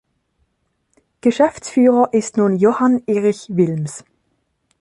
Geschäftsführer ist nun Johann Erich Wilms.